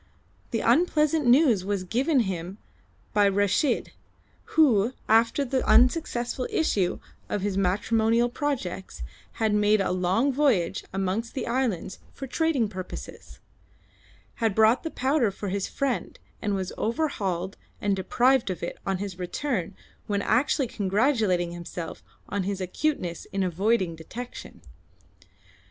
The unpleasant news was given him by Reshid, who, after the unsuccessful issue of his matrimonial projects, had made a long voyage amongst the islands for trading purposes; had bought the powder for his friend, and was overhauled and deprived of it on his return when actually congratulating himself on his acuteness in avoiding detection.